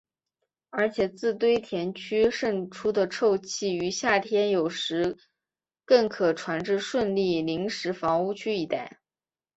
而且自堆填区渗出的臭气于夏天有时更可传至顺利临时房屋区一带。